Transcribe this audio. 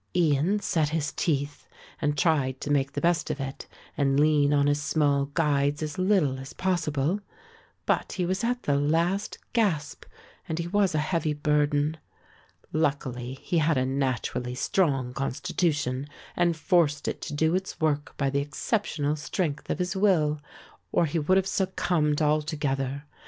Ian set his teeth and tried to make the best of it and lean on his small guides as little as possible, but he was at the last gasp and he was a heavy burden. Luckily he had a naturally strong constitution and forced it to do its work by the exceptional strength of his will or he would have succumbed altogether.